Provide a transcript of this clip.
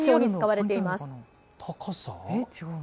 高さ？